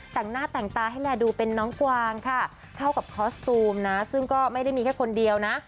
แต่งหน้าแต่งตาให้แลดูเป็นน้องกวางค่ะเท่ากับคอสตูมนะซึ่งก็ไม่ได้มีแค่คนเดียวนะ